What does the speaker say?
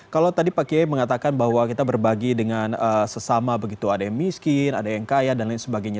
kalau tadi pak kiai mengatakan bahwa kita berbagi dengan sesama begitu ada yang miskin ada yang kaya dan lain sebagainya